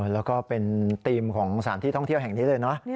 แล้วก็เป็นธีมของสถานที่ท่องเที่ยวแห่งนี้เลยเนอะ